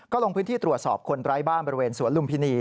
ก็ลงพื้นที่ตรวจสอบคนไร้บ้านบริเวณสวนลุมพินี